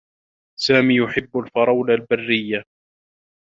سامي يحبّ الفرولة البرّيّة.